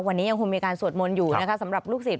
วันนี้ยางควรมีส่วนมนตร์อยู่สำหรับลูกสิทธิ์